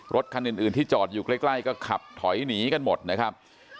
รถคันอื่นที่จอดอยู่ใกล้ก็ขับถอยหนีกันหมดนะครับ